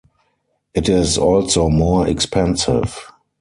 It is also more expensive.